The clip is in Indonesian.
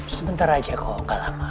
sebentar aja kok gak lama